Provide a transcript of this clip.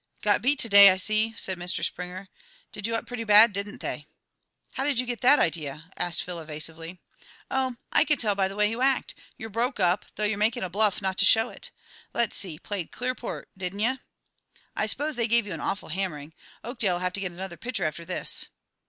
"Got beat to day, I see," said Mr. Springer. "Did you up pretty bad, didn't they?" "How did you get that idea?" asked Phil evasively. "Oh, I can tell by the way you act. You're broke up, though you're making a bluff not to show it. Let's see, played Clearport, didn't ye? I s'pose they give you an awful hammering? Oakdale'll have to get another pitcher after this."